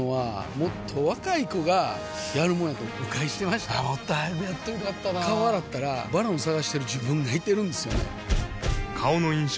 もっと早くやっといたら良かったなぁ顔洗ったら「ＶＡＲＯＮ」探してる自分がいてるんですよね